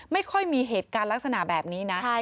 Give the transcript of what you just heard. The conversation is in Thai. ไม่ค่อยมีเหตุการณ์ลักษณะแบบนี้นะ